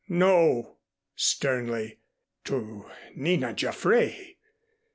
"No," sternly. "To Nina Jaffray.